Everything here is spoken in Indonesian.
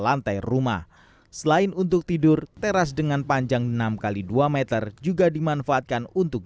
lantai rumah selain untuk tidur teras dengan panjang enam x dua meter juga dimanfaatkan untuk